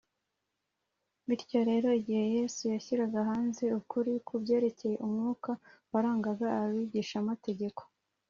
bityo rero, igihe yesu yashyiraga hanze ukuri ku byerekeye umwuka warangaga abigishamategeko